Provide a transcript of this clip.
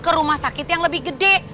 ke rumah sakit yang lebih gede